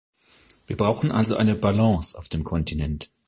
Wir brauchen also eine Balance auf dem Kontinent.